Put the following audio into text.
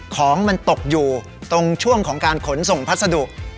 ของมันตกอยู่ตรงช่วงของการขนส่งพัสดุ